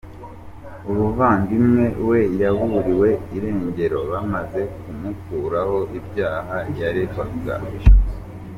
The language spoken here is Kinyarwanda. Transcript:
Umuvandimwe we yaburiwe irengero bamaze kumukuraho ibyaha yaregwaga.